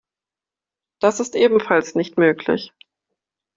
Das ist ebenfalls nicht möglich.